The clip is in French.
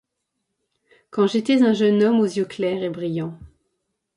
Quand j'étais un jeune homme aux yeux clairs et brillants